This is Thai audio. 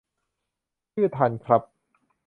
ชื่อทันครับ